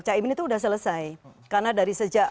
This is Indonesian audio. caimin itu sudah selesai karena dari sejak